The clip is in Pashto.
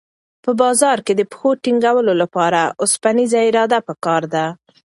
په بازار کې د پښو ټینګولو لپاره اوسپنیزه اراده پکار ده.